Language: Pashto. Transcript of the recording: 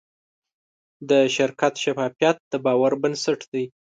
د شرکت شفافیت د باور بنسټ دی.